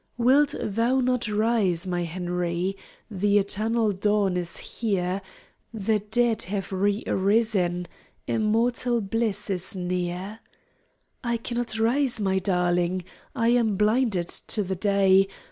"Wilt thou not rise, my Henry? The eternal dawn is here; The dead have re arisen, Immortal bliss is near." "I cannot rise, my darling, I am blinded to the day.